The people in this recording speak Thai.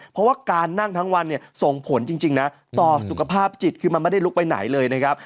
เพราะว่าการนั่งทั้งวันเนี่ยส่งผลจริงนะต่อสุขภาพจิตคือมันไม่ได้ลุกไปไหนเลยนะครับ